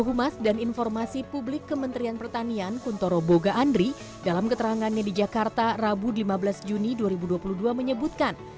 humas dan informasi publik kementerian pertanian kuntoro boga andri dalam keterangannya di jakarta rabu lima belas juni dua ribu dua puluh dua menyebutkan